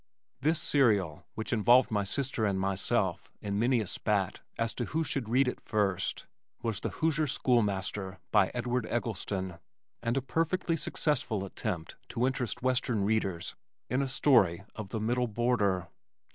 This serial (which involved my sister and myself in many a spat as to who should read it first) was The Hoosier Schoolmaster, by Edward Eggleston, and a perfectly successful attempt to interest western readers in a story of the middle border.